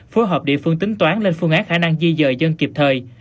phối hợp địa phương tính toán lên phương án khả năng di dời dân kịp thời